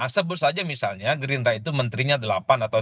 sebut saja misalnya gerindra itu menterinya delapan atau dua